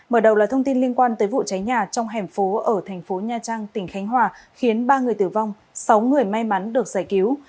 mở đầu là thông tin liên quan tới vụ cháy nhà trong hẻm phố ở thành phố nha trang tỉnh khánh hòa khiến ba người tử vong sáu người may mắn được giải cứu